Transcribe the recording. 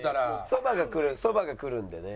そばが来るそばが来るんでね。